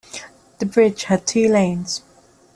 The bridge had two lanes.